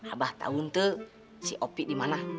abah tahu tuh si opi dimanah